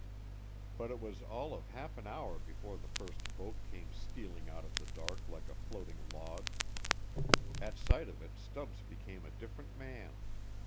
But it was all of half an hour before the first boat came stealing out of the dark like a floating log. At sight of it Stubbs became a different man.